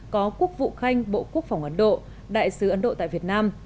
có quốc vụ khanh bộ quốc phòng ấn độ đại sứ ấn độ tại việt nam